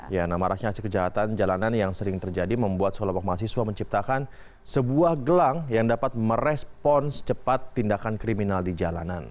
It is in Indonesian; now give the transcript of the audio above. ya maraknya kejahatan jalanan yang sering terjadi membuat seolah olah mahasiswa menciptakan sebuah gelang yang dapat merespons cepat tindakan kriminal di jalanan